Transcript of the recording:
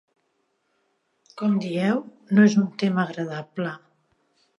Com dieu, no és un tema agradable.